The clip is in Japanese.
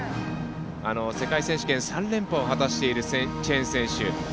世界選手権３連覇を果たしているチェン選手。